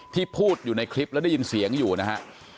ที่พูดอยู่ในคลิปแล้วได้ยินเสียงอยู่นะฮะ